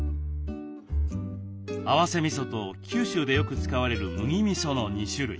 合わせみそと九州でよく使われる麦みその２種類。